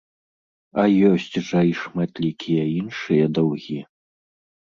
А ёсць жа і шматлікія іншыя даўгі.